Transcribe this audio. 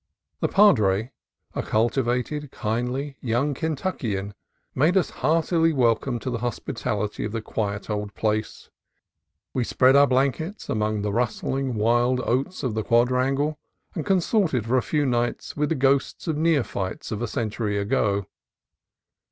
The padre, a cultivated, kindly young Kentuckian, made us heartily welcome to the hospitality of the quiet old place. We spread our blankets among the rustling wild oats of the quadrangle, and consorted for a few nights with the ghosts of neophytes of a century ago.